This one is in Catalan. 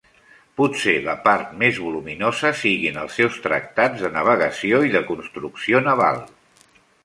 Potser la part més voluminosa siguin els seus tractats de navegació i de construcció naval.